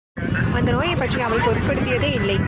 அந்த நோயைப் பற்றி அவள் பொருட்படுத்தியதே இல்லை.